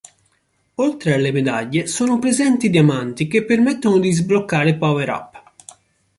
Oltre alle medaglie sono presenti diamanti che permettono di sbloccare power-up.